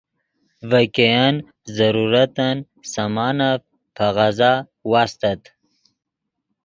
ڤے ګئین ضرورتن سامانف پے غزا واستت